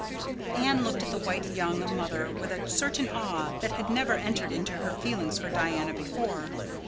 Anne looked at the white young mother with a certain awe that had never entered into her feelings for Diana before.